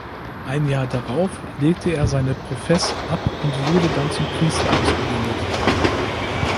Ein Jahr darauf legte er seine Profess ab und wurde dann zum Priester ausgebildet.